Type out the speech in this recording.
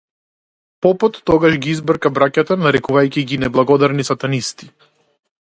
Попот тогаш ги избрка браќата нарекувајќи ги неблагодарни сатанисти.